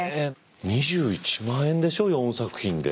２１万円でしょ４作品で。